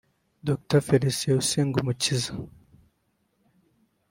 Dr Felicien Usengumukiza